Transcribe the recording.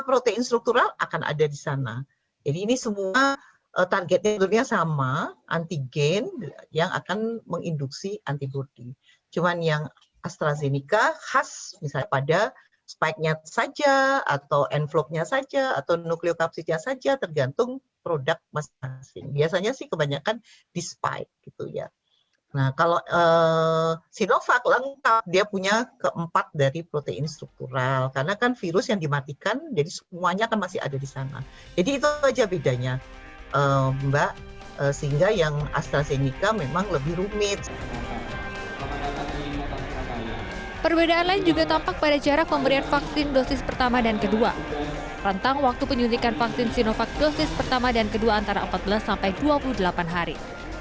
rentang waktu penyuntikan vaksin sinovac dosis pertama dan kedua antara empat belas sampai dua puluh delapan hari